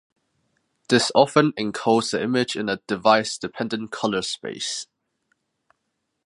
This often encodes the image in a device-dependent color space.